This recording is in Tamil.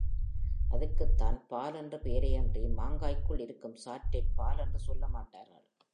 அதற்குத்தான் பால் என்று பெயரேயன்றி மாங்காய்க்குள் இருக்கும் சாற்றைப் பால் என்று சொல்ல மாட்டார்கள்.